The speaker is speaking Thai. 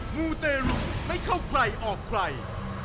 มูเตรุไม่เข้าใครออกใคร